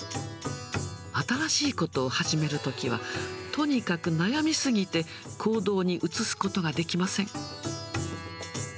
新しいことを始めるときは、とにかく悩み過ぎて行動に移すことができません。